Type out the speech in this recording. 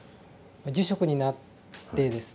住職になってですね